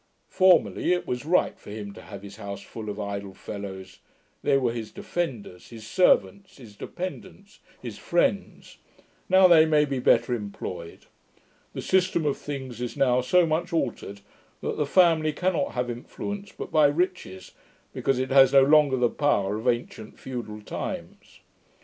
Formerly, it was right for him to have his house full of idle fellows; they were his defenders, his servants, his dependants, his friends. Now they may be better employed. The system of things is now so much altered, that the family cannot have influence but by riches, because it has no longer the power of ancient feudal times.